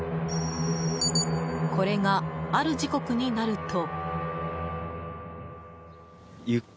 これが、ある時刻になると。